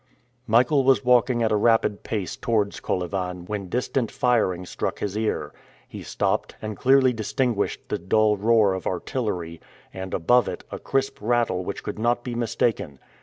Michael was walking at a rapid pace towards Kolyvan when distant firing struck his ear. He stopped, and clearly distinguished the dull roar of artillery, and above it a crisp rattle which could not be mistaken.